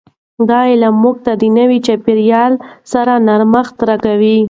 دا علم موږ ته د نوي چاپیریال سره نرمښت راکوي.